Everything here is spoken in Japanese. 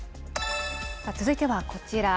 続いてはこちら。